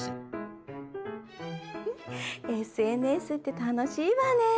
ＳＮＳって楽しいわね！